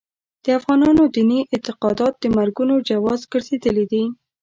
د افغانانو دیني اعتقادات د مرګونو جواز ګرځېدلي دي.